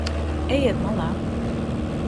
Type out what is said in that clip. Ejiet malā.